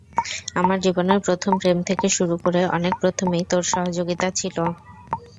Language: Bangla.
আমার জীবনের প্রথম প্রেম থেকে শুরু করে অনেক প্রথমেই তোর সহযোগিতা ছিল।